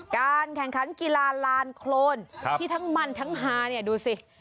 การแข่งขันกีฬาลานโครนที่ทั้งมันทั้งฮาเนี่ยดูสิ